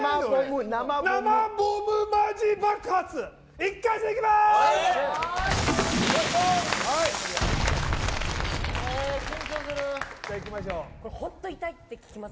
生ボムマジ爆発１回戦いきます！